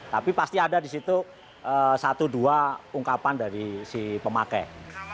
tapi pasti ada di situ satu dua ungkapan dari si pemakai